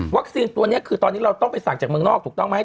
ตัวนี้คือตอนนี้เราต้องไปสั่งจากเมืองนอกถูกต้องไหม